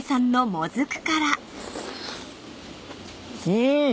うん！